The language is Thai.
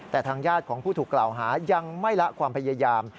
แต่ทางญาติของผู้ถูกกล่าวหายังไม่ละความพยายาม